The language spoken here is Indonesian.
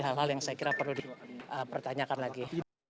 hal hal yang saya kira perlu dipertanyakan lagi